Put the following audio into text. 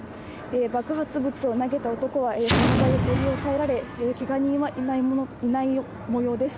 爆発物を投げた男は現場で取り押さえられケガ人はいないもようです。